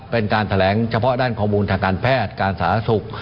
เป็นการแสดงของด้านข้อมูลธนาคารแพทย์